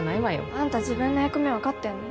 あんた自分の役目わかってんの？